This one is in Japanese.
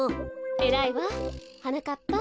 えらいわはなかっぱ。